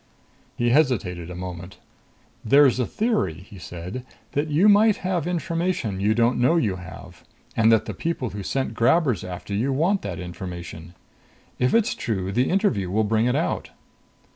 He hesitated a moment. "There's a theory," he said, "that you might have information you don't know you have. And that the people who sent grabbers after you want that information. If it's true, the interview will bring it out."